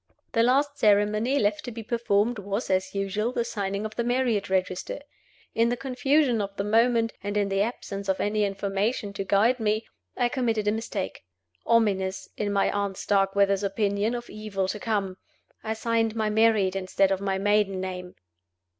The last ceremony left to be performed was, as usual, the signing of the marriage register. In the confusion of the moment (and in the absence of any information to guide me) I committed a mistake ominous, in my aunt Starkweather's opinion, of evil to come. I signed my married instead of my maiden name.